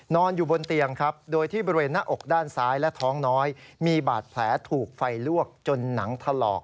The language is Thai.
นอนอยู่บนเตียงครับโดยที่บริเวณหน้าอกด้านซ้ายและท้องน้อยมีบาดแผลถูกไฟลวกจนหนังถลอก